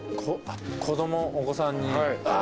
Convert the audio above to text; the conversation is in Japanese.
子供お子さんに。